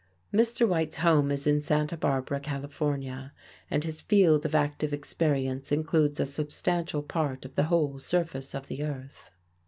Mr. White's home is in Santa Barbara, California, and his field of active experience includes a substantial part of the whole surface of the earth.